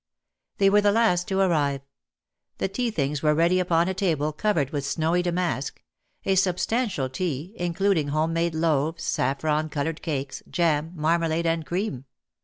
They were the last to arrive. The teathings were ready upon a table covered with snowy damask — a substantial tea, including home made loaves, saffron coloured cakes, jam, marmalade, and cream.